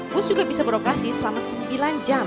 bus juga bisa beroperasi selama sembilan jam